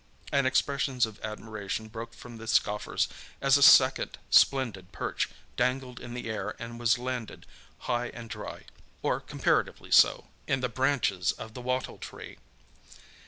And expressions of admiration broke from the scoffers as a second splendid perch dangled in the air and was landed high and dry—or comparatively so—in the branches of the wattle tree.